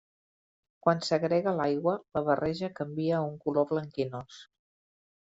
Quan s'agrega l'aigua, la barreja canvia a un color blanquinós.